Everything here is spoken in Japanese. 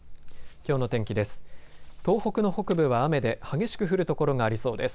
きょうの天気です。